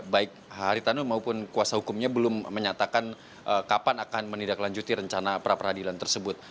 baik haritano maupun kuasa hukumnya belum menyatakan kapan akan menidaklanjuti rencana perapradilan tersebut